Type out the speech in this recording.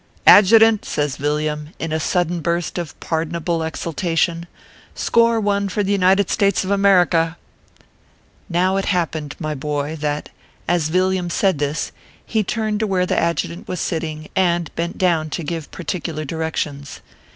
Adjutant 1" says Villiam, in a sudden burst of pardonable exulta tion, "score one for the United States of America !" Now it happened, my boy, that, as Villiam said this, he turned to where the adjutant was sitting, and bent down to give particular directions.